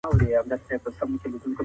که سياستوال توان ونلري نفوذ نسي کولای.